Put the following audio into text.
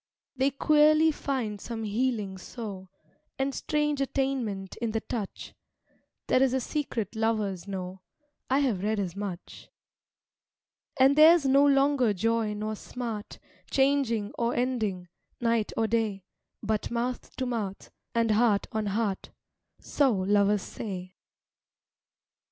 They queerly find some healing so, And strange attainment in the touch; There is a secret lovers know, I have read as much. And theirs no longer joy nor smart, Changing or ending, night or day; But mouth to mouth, and heart on heart, So lovers say.